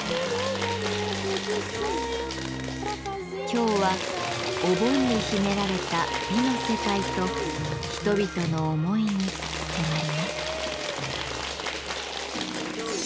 今日はお盆に秘められた美の世界と人々の思いに迫ります。